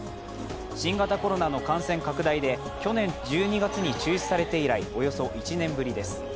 新型コロナの感染拡大で去年１２月に中止されて以来、およそ１年ぶりです。